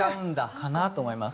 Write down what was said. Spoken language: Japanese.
かなと思います。